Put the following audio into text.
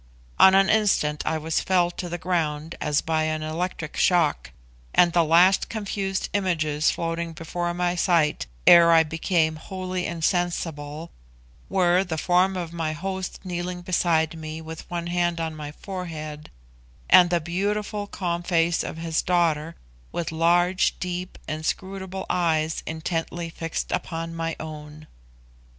On an instant I was felled to the ground as by an electric shock, and the last confused images floating before my sight ere I became wholly insensible, were the form of my host kneeling beside me with one hand on my forehead, and the beautiful calm face of his daughter, with large, deep, inscrutable eyes intently fixed upon my own.